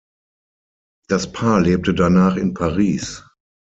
Das Paar lebte danach in Paris.